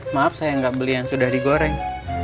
maaf saya nggak beli yang sudah digoreng